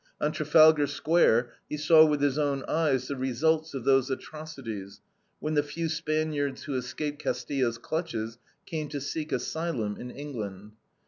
On Trafalgar Square he saw with his own eyes the results of those atrocities, when the few Spaniards, who escaped Castillo's clutches, came to seek asylum in England.